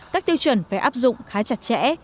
các tiêu chuẩn phải áp dụng khá chặt chẽ